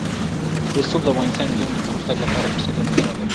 رسوب د افغان نجونو د پرمختګ لپاره فرصتونه برابروي.